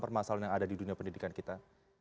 permasalahan yang ada di dunia pendidikan kita